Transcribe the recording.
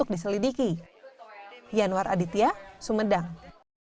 yang di dalam perlengkapan bayi itu dibawa polisi untuk diselidiki